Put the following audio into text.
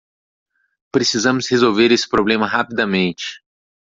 Precisamos resolver esse problema rapidamente.